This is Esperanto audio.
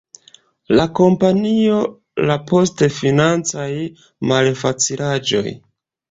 La kompanio la post financaj malfacilaĵoj.